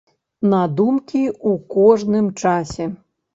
На думкі ў кожным часе!